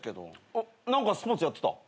おっ何かスポーツやってた？